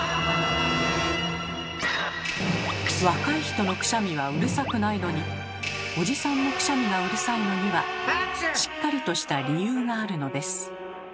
若い人のくしゃみはうるさくないのにおじさんのくしゃみがうるさいのにはしっかりとした理由があるのです。